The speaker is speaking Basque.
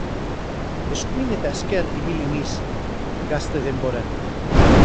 Eskuin eta ezker ibili niz gazte denboran.